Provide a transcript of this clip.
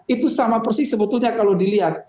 itu sama persis sebetulnya kalau dilihat